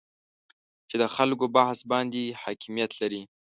چې د خلکو بحث باندې حاکمیت لري